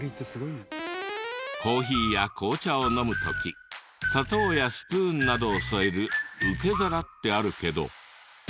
コーヒーや紅茶を飲む時砂糖やスプーンなどを添える受け皿ってあるけど。